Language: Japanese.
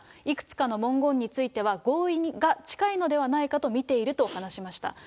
いくつかの文言については、合意が近いのではないかと見ていると話しました。